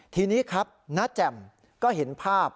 ทีนี้ครับณแจ่มก็เห็นภาพ